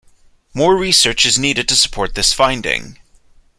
More research is needed to support this finding.